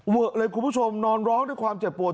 เลยคุณผู้ชมนอนร้องด้วยความเจ็บปวด